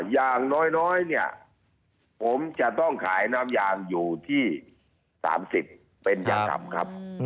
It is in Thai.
อย่างน้อยเนี่ยผมจะต้องขายน้ำยางอยู่ที่๓๐เป็นยาธรรมครับ